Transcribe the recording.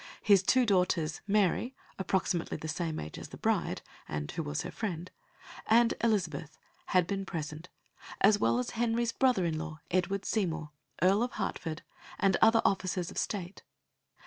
His two daughters, Mary approximately the same age as the bride, and who was her friend and Elizabeth, had been present, as well as Henry's brother in law, Edward Seymour, Earl of Hertford, and other officers of State.